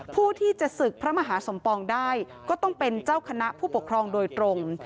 ผู้ที่จะศึกพระมหาสมปองได้ก็ต้องเป็นเจ้าคณะผู้ปกครองโดยตรง